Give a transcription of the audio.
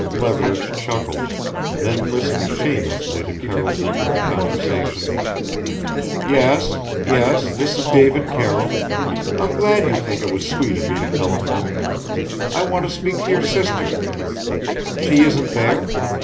Leverage chuckled then listened shamelessly to Carroll's end of the conversation "Yes yes, this is David Carroll I'm glad you think it was sweet of me to telephone I want to speak to your sister She isn't there?